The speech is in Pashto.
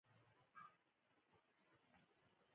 آیا عشر ټولول کیږي؟